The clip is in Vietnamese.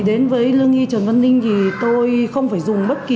đến với lương y trần văn linh tôi không phải dùng bất kỳ